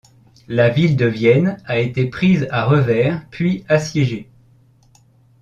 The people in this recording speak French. La ville de Vienne a été prise à revers puis assiégée.